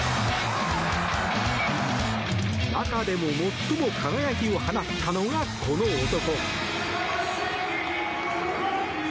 中でも最も輝きを放ったのがこの男。